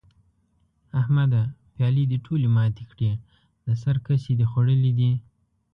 احمده؛ پيالې دې ټولې ماتې کړې؛ د سر کسي دې خوړلي دي؟!